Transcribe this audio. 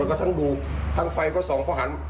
แล้วทั้งดูทั้งไฟก็ส่องเขาหัน